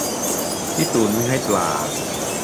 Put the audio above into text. พี่ตูนวิ่งให้ปลา